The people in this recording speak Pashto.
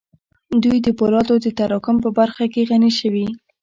دوی د پولادو د تراکم په برخه کې غني شوې